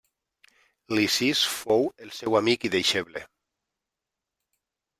Lisis fou el seu amic i deixeble.